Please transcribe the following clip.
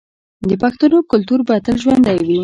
د پښتنو کلتور به تل ژوندی وي.